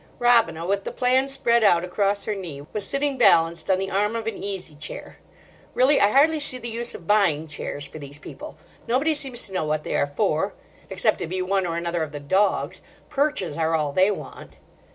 Robina, with the plan spread out across her knee, was sitting balanced on the arm of an easy chair. Really, I hardly see the use of buying chairs for these people. Nobody seems to know what they are for—except it be one or another of the dogs. Perches are all they want.